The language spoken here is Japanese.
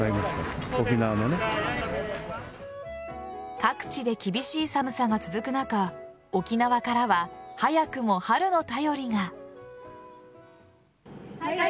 各地で厳しい寒さが続く中沖縄からは早くも春の便りが。